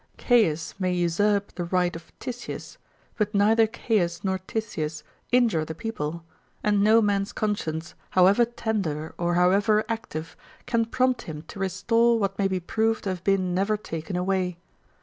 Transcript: Caius may usurp the right of Titius; but neither Caius nor Titius injure the people; and no man's conscience, however tender or however active, can prompt him to restore what may be proved to have been never taken away.